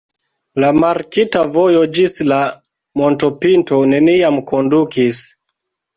La markita vojo ĝis la montopinto neniam kondukis.